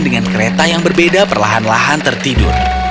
dengan kereta yang berbeda perlahan lahan tertidur